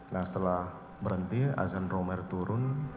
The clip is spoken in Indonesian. nah setelah berhenti azan romer turun